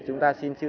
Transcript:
chúng ta xin chữ